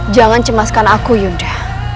jangan cemaskan aku yunda